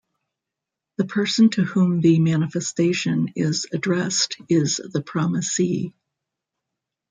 The person to whom the manifestation is addressed is the Promisee.